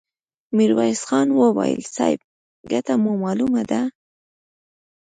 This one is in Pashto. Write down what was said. ميرويس خان وويل: صيب! ګټه مو مالومه ده!